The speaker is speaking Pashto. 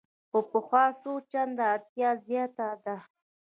تر پخوا څو چنده اړتیا زیاته ده.